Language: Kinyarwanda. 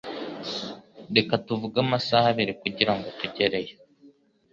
Reka tuvuge amasaha abiri kugirango tugereyo,